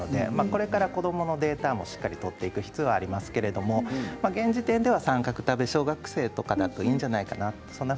これから子どものデータも取っていく必要はありますけれど現時点では三角食べ小学生ではいいんじゃないでしょうか。